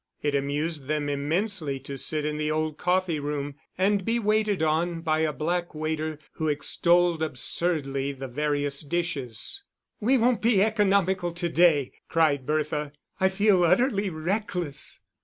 It amused them immensely to sit in the old coffee room and be waited on by a black waiter, who extolled absurdly the various dishes. "We won't be economical to day," cried Bertha. "I feel utterly reckless."